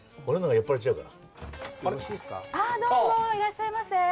あっいらっしゃいませ。